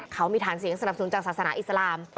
เขามีฐานเสียงสนับสนุนจากศาสนาอิสลาม